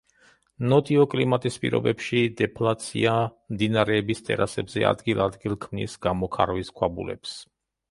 ნოტიო კლიმატის პირობებში დეფლაცია მდინარეების ტერასებზე ადგილ-ადგილ ქმნის გამოქარვის ქვაბულებს.